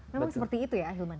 memang seperti itu ya ahilman